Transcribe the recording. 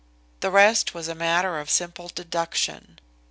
The rest was a matter of simple deduction.